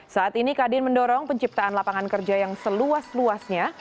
saat ini kadin mendorong penciptaan lapangan kerja yang seluas luasnya